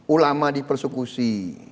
ulama di persekusi